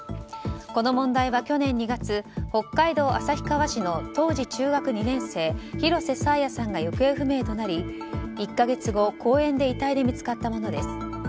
この問題は去年２月北海道旭川市の当時中学２年生広瀬爽彩さんが行方不明となり１か月後公園で遺体で見つかったものです。